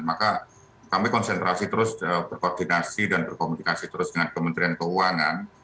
maka kami konsentrasi terus berkoordinasi dan berkomunikasi terus dengan kementerian keuangan